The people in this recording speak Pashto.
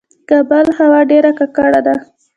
د کابل هوا ډیره ککړه ده